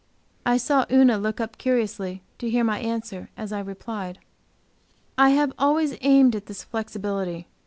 I saw Una look up curiously, to hear my answer, as I replied, "I have always aimed at this flexibility.